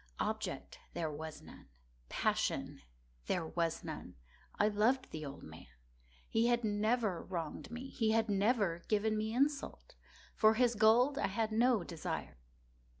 Object there was none. Passion there was none. I loved the old man. He had never wronged me. He had never given me insult. For his gold I had no desire.